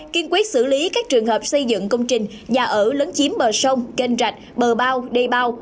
kiên quyết xử lý các trường hợp xây dựng công trình nhà ở lấn chiếm bờ sông kênh rạch bờ bao đầy bao